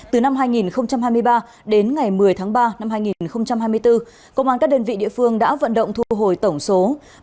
từ năm hai nghìn hai mươi ba đến ngày một mươi tháng ba năm hai nghìn hai mươi bốn công an các đơn vị địa phương đã vận động thu hồi tổng số